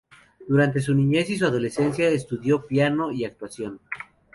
Durante su niñez y adolescencia estudió piano y actuación.